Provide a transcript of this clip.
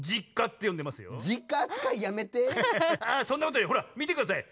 あそんなことよりほらみてください。